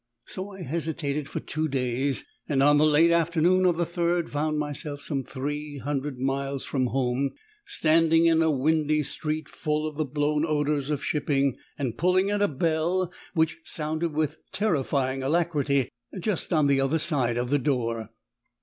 So I hesitated for two days; and on the late afternoon of the third found myself some three hundred miles from home, standing in a windy street full of the blown odours of shipping, and pulling at a bell which sounded with terrifying alacrity just on the other side of the door.